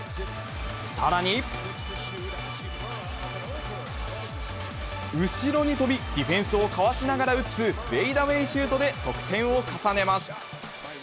さらに後ろに飛び、ディフェンスをかわしながら打つフェイダウェイシュートで得点を重ねます。